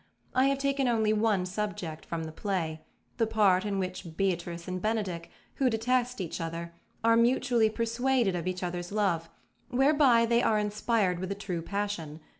I have taken only one subject from the play the part in which Beatrice and Benedick, who detest each other, are mutually persuaded of each other's love, whereby they are inspired with a true passion.